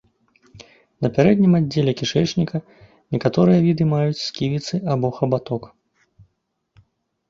На пярэднім аддзеле кішэчніка некаторыя віды маюць сківіцы або хабаток.